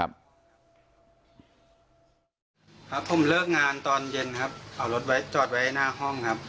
ครับผมเลิกงานตอนเย็นครับเอารถไว้จอดไว้หน้าห้องครับ